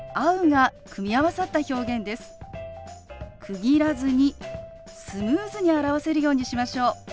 区切らずにスムーズに表せるようにしましょう。